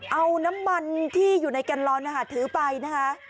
เอาน้ำมันที่อยู่ในแกนลอนนะคะถือไปนะคะ